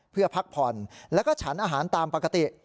เพื่อพักผ่อนแล้วก็ฉันอาหารตามปกติ